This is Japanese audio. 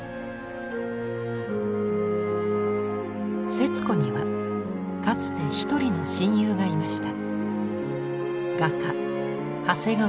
節子にはかつて一人の親友がいました。